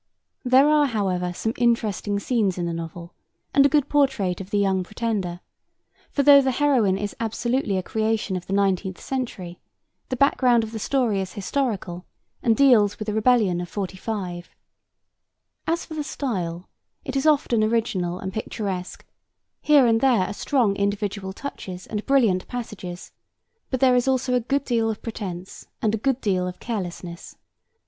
There are, however, some interesting scenes in the novel, and a good portrait of the Young Pretender, for though the heroine is absolutely a creation of the nineteenth century, the background of the story is historical and deals with the Rebellion of '45. As for the style, it is often original and picturesque; here and there are strong individual touches and brilliant passages; but there is also a good deal of pretence and a good deal of carelessness.